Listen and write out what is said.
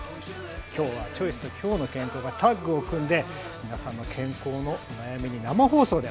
今日は「チョイス」と「きょうの健康」がタッグを組んで皆さんの健康のお悩みに生放送でお答えしていきます。